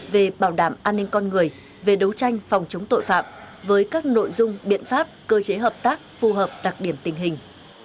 về bảo đảm an ninh con người về đấu tranh phòng chống tội phạm với các nội dung biện pháp cơ chế hợp tác phù hợp đặc điểm tình hình